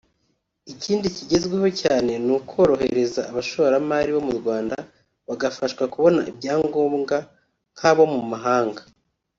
Ikindi cyizweho cyane ni ukorohereza abashoramari bo mu Rwanda bagafashwa kubona ibyangombwa nk’abo mu mahanga